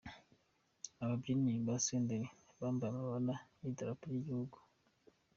Ababyinnyi ba Senderi bambaye amabara y’idarapo ry’igihugu.